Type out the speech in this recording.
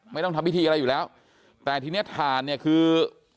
ไม่ต้องทำพิธีอะไรอยู่แล้วแต่ทีเนี้ยถ่านเนี่ยคือ